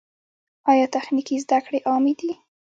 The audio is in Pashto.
آیا تخنیکي زده کړې عامې دي؟